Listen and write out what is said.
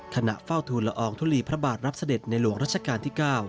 ขณะเฝ้าทูลละอองทุลีพระบาทรับเสด็จในหลวงรัชกาลที่๙